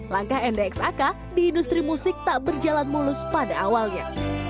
langkah ndx ak di industri musik tak berjalan mulus pada awalnya